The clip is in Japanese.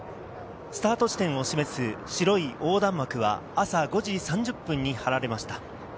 スタート地点を示す白い横断幕は朝５時３０分に張られました。